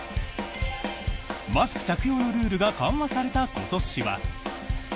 マスク着用のルールが緩和された今年は。